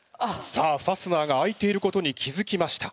さあファスナーが開いていることに気付きました。